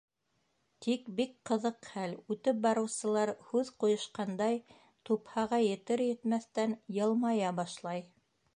Тик бик ҡыҙыҡ хәл, үтеп барыусылар, һүҙ ҡуйышҡандай, тупһаға етер-етмәҫтән йылмая башлай.